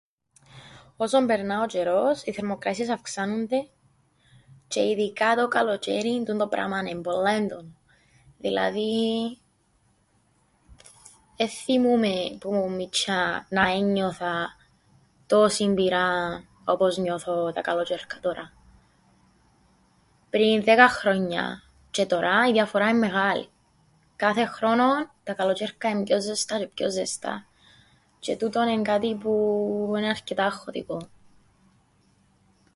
Όσον περνά ο τζαιρός, οι θερμοκρασίες αυξάνουνται, τζαι ειδικά το καλοτζαίριν τούντο πράμα εν’ πολλά έντονον. Δηλαδή εν θυμούμαι που ’μουν μιτσ̆ιά να ένιωθα τόσην πυράν όπως νιώθω τα καλοτζαίρκα τωρά. Πριν δέκα χρόνια τζαι τωρά η διαφορά εν’ μεγάλη, κάθε χρόνον τα καλοτζ̆αίρκα εν’ πιο ζεστά τζαι πιο ζεστά, τζαι τούτον εν’ κάτι που εν’ αρκετά αγχωτικόν.